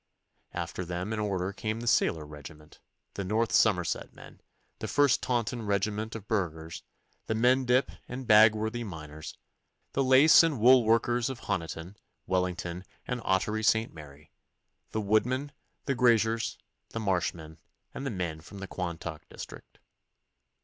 After them in order came the sailor regiment, the North Somerset men, the first Taunton regiment of burghers, the Mendip and Bagworthy miners, the lace and wool workers of Honiton, Wellington, and Ottery St. Mary; the woodmen, the graziers, the marsh men, and the men from the Quantock district.